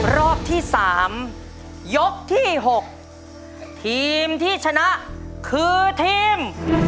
รอบที่๓ยกที่๖ทีมที่ชนะคือทีม